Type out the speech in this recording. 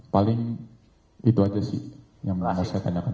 paling itu aja sih yang melanggar saya tanyakan